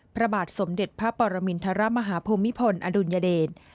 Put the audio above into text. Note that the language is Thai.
พระบาทสมเด็จพระปรมินทรมาฮภูมิพลอดุลยเดช